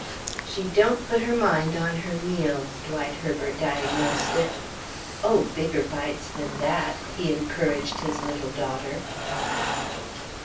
"She don't put her mind on her meals," Dwight Herbert diagnosed it. "Oh, bigger bites than that!" he encouraged his little daughter.